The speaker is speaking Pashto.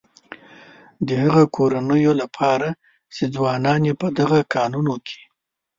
د هغه کورنيو لپاره چې ځوانان يې په دغه کانونو کې.